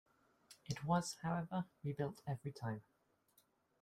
It was, however, rebuilt every time.